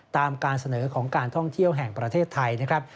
ตามการเสนอของการท่องเที่ยวแห่งประเทศไทยนะครับ